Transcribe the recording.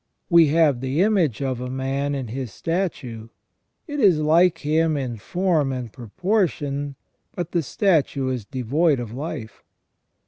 We have the image of a man in his statue, it is like him in form and proportion, but the statue is devoid of life.